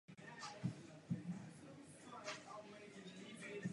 Napsal rovněž několik středoškolských a vysokoškolských učebnic.